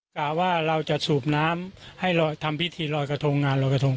กล่าวว่าเราจะสูบน้ำให้ทำพิธีลอยกระทงงานลอยกระทง